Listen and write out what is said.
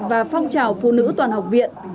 và phong trào phụ nữ toàn học viện